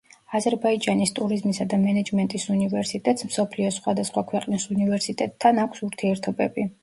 აზერბაიჯანის ტურიზმისა და მენეჯმენტის უნივერსიტეტს მსოფლიოს სხვადასხვა ქვეყნის უნივერსიტეტთან აქვს ურთიერთობები.